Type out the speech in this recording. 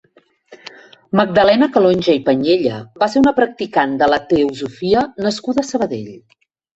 Magdalena Calonge i Panyella va ser una practicant de la teosofia nascuda a Sabadell.